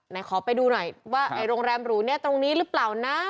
ไหนขอไปดูหน่อยว่าไอ้โรงแรมหรูเนี่ยตรงนี้หรือเปล่านะ